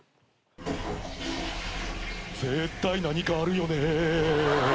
・・絶対何かあるよね。